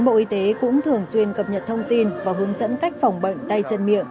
bộ y tế cũng thường xuyên cập nhật thông tin và hướng dẫn cách phòng bệnh tay chân miệng